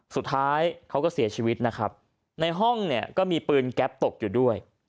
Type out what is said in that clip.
สุดท้ายเขาก็เสียชีวิตนะครับในห้องเนี่ยก็มีปืนแก๊ปตกอยู่ด้วย